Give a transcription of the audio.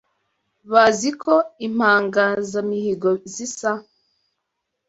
Bazi ko impangazamihigo zisa